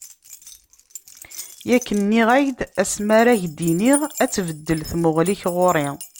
Yak nniɣ-ak-d asma ara ak-d-iniɣ ad tbeddel tmuɣli-k ɣur-i.